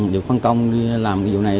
vì phân công đi làm cái vụ này